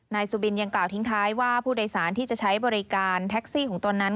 นายสุบินยังกล่าวทิ้งท้ายว่าผู้โดยสารที่จะใช้บริการแท็กซี่ของตนนั้น